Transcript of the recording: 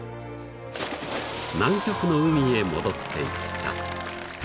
［南極の海へ戻っていった］